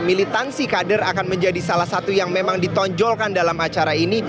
militansi kader akan menjadi salah satu yang memang ditonjolkan dalam acara ini